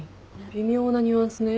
微妙なニュアンスね。